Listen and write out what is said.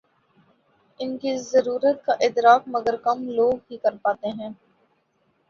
ان کی ضرورت کا ادراک مگر کم لوگ ہی کر پاتے ہیں۔